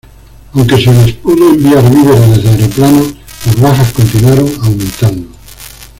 Aunque se les pudo enviar víveres desde aeroplanos, las bajas continuaron aumentando.